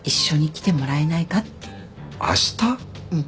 うん。